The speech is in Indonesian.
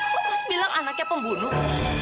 mas bilang anaknya pembunuh